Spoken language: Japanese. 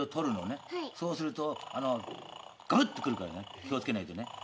そうするとガブッ！と来るから気を付けないとね。